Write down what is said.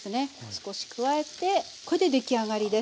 少し加えてこれで出来上がりです。